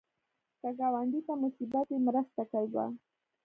که ګاونډي ته مصیبت وي، مرسته کوه